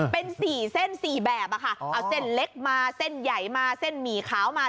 เป็น๔เส้น๔แบบอะค่ะเอาเส้นเล็กมาเส้นใหญ่มาเส้นหมี่ขาวมา